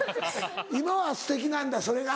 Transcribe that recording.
今はすてきなんだそれが。